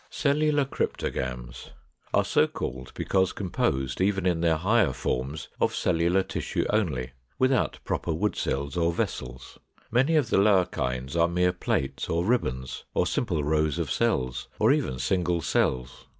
] 497. =Cellular Cryptogams= (483) are so called because composed, even in their higher forms, of cellular tissue only, without proper wood cells or vessels. Many of the lower kinds are mere plates, or ribbons, or simple rows of cells, or even single cells.